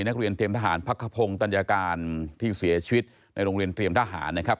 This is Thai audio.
นักเรียนเตรียมทหารพักขพงศ์ตัญญาการที่เสียชีวิตในโรงเรียนเตรียมทหารนะครับ